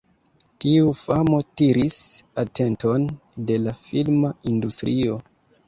Tiu famo tiris atenton de la filma industrio.